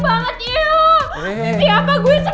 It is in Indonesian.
gimana gue semalam